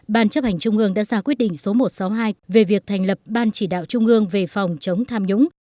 ban chấp hành trung ương đã ra quyết định số một trăm sáu mươi hai về việc thành lập ban chỉ đạo trung ương về phòng chống tham nhũng